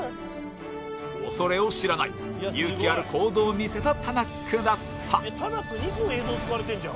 恐れを知らない勇気ある行動を見せたタナックだった。